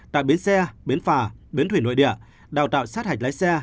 tại biến xe biến phà biến thủy nội địa đào tạo sát hạch lái xe